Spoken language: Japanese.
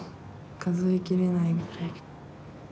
数えきれないぐらい。